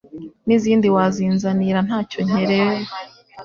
n'izindi wazinzanira ntacyo nkereba